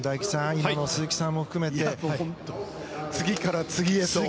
今の鈴木さんも含めて次から次へと。